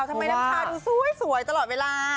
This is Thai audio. ทำไมน้ำชาดูสวยตลอดเวลา